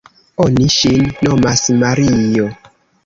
oni ŝin nomas Mario.